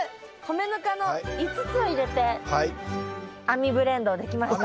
米ぬかの５つを入れて亜美ブレンドできました。